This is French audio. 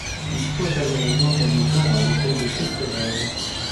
Il faut aller rejoindre mes gens à l’hôtel de Christoval.